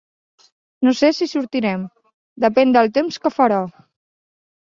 No sé si sortirem: depèn del temps que farà.